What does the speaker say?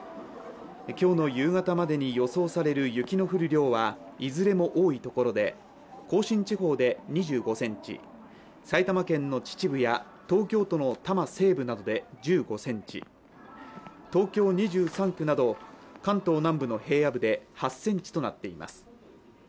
今日の夕方までに予想される雪の降る量は、いずれも多いところで甲信地方で２５ｃｍ、埼玉県の秩父や東京都の多摩西部などで１５ｃｍ、東京２３区など関東南部の平野部で８ｃｍとなっています。